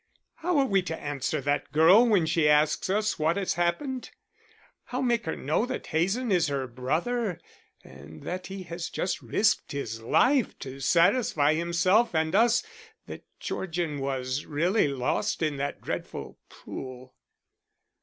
How are we to answer that girl when she asks us what has happened? How make her know that Hazen is her brother and that he has just risked his life to satisfy himself and us that Georgian was really lost in that dreadful pool."